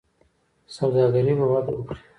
سوداګري به وده وکړي.